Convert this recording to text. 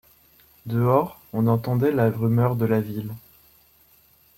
Dehors on entendait la rumeur de la ville.